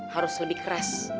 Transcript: harus lebih keras